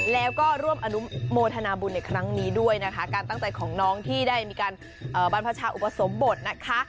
แล้วก็ร่วมอนุโมทนาบุญในครั้งนี้ด้วยนะคะการตั้งใจของน้องที่ได้มีการบรรพชาอุปสมบทนะคะ